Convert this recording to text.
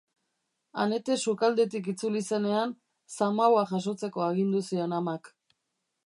Annette sukaldetik itzuli zenean, zamaua jasotzeko agindu zion amak.